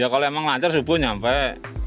ya kalau emang lancar subuh nyampe